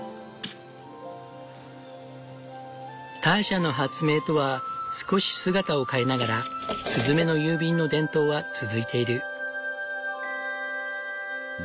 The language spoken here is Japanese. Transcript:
ターシャの発明とは少し姿を変えながらスズメの郵便の伝統は続いている。